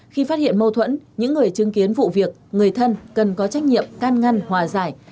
khi phát hiện mâu thuẫn những người chứng kiến vụ việc người thân cần có trách nhiệm can ngăn hòa giải